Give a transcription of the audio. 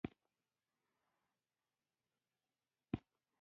دغه توپیر بالاخره په کرنه کې د حاصل کچه زیانه کړه.